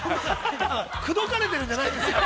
◆口説かれてるんじゃないんですから。